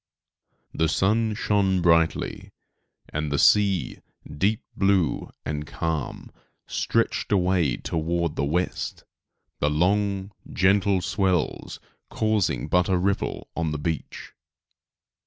The sun shone brightly, and the sea, deep blue and calm, stretched away toward the west, the long, gentle swells causing but a ripple on the beach.